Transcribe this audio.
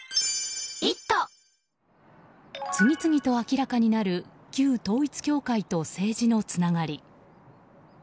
次々と明らかになる旧統一教会と政治のつながり。